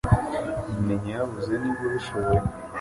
menya yavuze niba ubishoboye